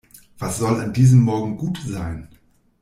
Was soll an diesem Morgen gut sein?